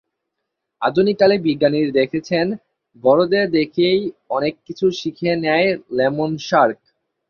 আধুনিক কালে বিজ্ঞানীর দেখেছেন বড়দের দেখেই অনেক কিছু শিখে নেয় লেমন শার্ক।